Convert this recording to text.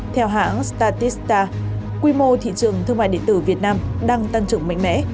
theo hãng statista quy mô thị trường thương mại điện tử việt nam đang tăng trưởng mạnh mẽ